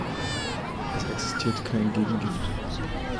Es existiert kein Gegengift.